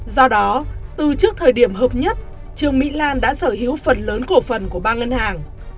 do đó từ trước thời điểm hợp nhất trương mỹ lan đã sở hữu phần lớn cổ phần của ba ngân hàng